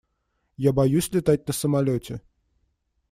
Я боюсь летать на самолёте.